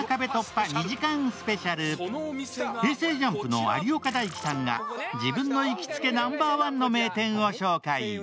ＪＵＭＰの有岡大貴さんが自分の行きつけナンバーワンの名店を紹介。